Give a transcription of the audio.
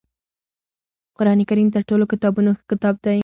قرآنکریم تر ټولو کتابونو ښه کتاب دی